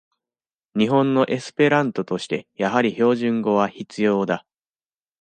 日本のエスペラントとして、やはり標準語は必要だ。